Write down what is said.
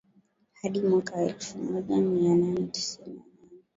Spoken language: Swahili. hadi mwaka elfu moja mia nane tisini nane